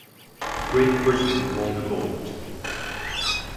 Great Britain won the gold.